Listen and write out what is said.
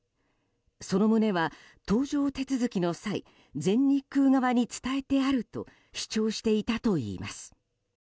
その旨は搭乗手続きの際全日空側に伝えてあると主張していたといいます。